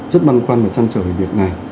rất băn khoăn và trăn trở về việc này